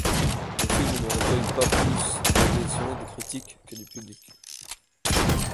Le film ne recueille pas plus l'adhésion des critiques que du public.